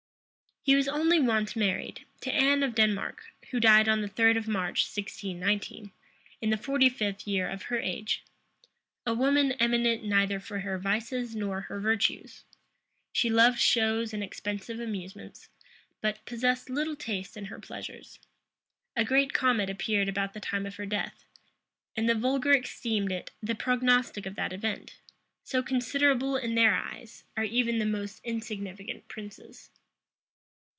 He was only once married, to Anne of Denmark, who died on the third of March, 1619, in the forty fifth year of her age; a woman eminent neither for her vices nor her virtues. She loved shows and expensive amusements, but possessed little taste in her pleasures. A great comet appeared about the time of her death; and the vulgar esteemed it the prognostic of that event: so considerable in their eyes are even the most insignificant princes.